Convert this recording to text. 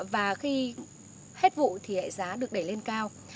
và khi hết vụ thì giá được đẩy lên cao